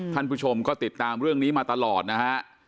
ท่านผู้ชมก็ติดตามเรื่องนี้มาตลอดนะฮะ